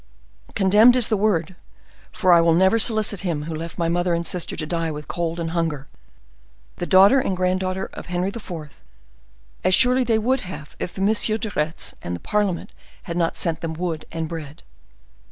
"Condemned is the word; for I will never solicit him who left my mother and sister to die with cold and hunger—the daughter and grand daughter of Henry IV.—as surely they would have if M. de Retz and the parliament had not sent them wood and bread."